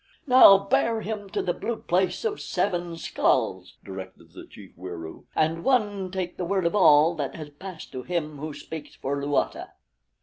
"Now bear him to the Blue Place of Seven Skulls," directed the chief Wieroo, "and one take the word of all that has passed to Him Who Speaks for Luata."